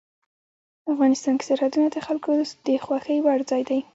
افغانستان کې سرحدونه د خلکو د خوښې وړ ځای دی.